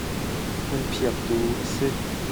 Hmunphiaktu a si.